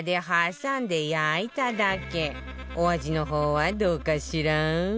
お味の方はどうかしら？